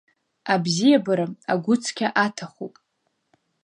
Абзиабара агәыцқьа аҭахуп.